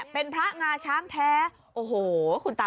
คือสงสัยใครเป็นพิเศษ